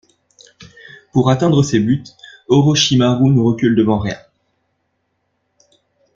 Pour atteindre ses buts, Orochimaru ne recule devant rien.